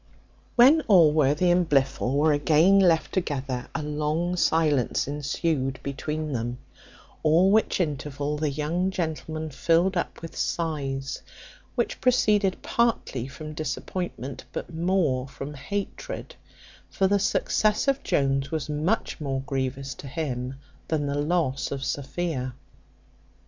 When Allworthy and Blifil were again left together, a long silence ensued between them; all which interval the young gentleman filled up with sighs, which proceeded partly from disappointment, but more from hatred; for the success of Jones was much more grievous to him than the loss of Sophia.